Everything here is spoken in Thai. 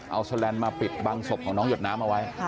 เอาแลนด์มาปิดบังศพของน้องหยดน้ำเอาไว้